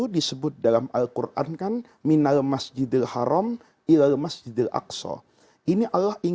dia berasa beijah